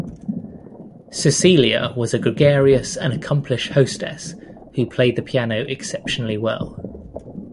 Cecilia was a gregarious and accomplished hostess who played the piano exceptionally well.